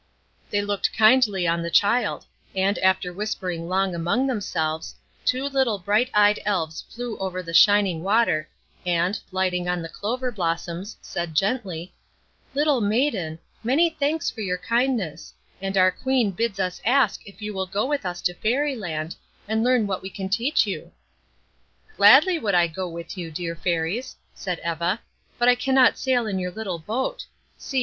They looked kindly on the child, and, after whispering long among themselves, two little bright eyed Elves flew over the shining water, and, lighting on the clover blossoms, said gently, "Little maiden, many thanks for your kindness; and our Queen bids us ask if you will go with us to Fairy Land, and learn what we can teach you." "Gladly would I go with you, dear Fairies," said Eva, "but I cannot sail in your little boat. See!